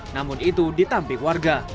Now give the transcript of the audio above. namun itu ditampik warga